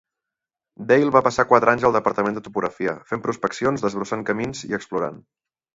Dale va passar quatre anys al Departament de Topografia, fent prospeccions, desbrossant camins i explorant.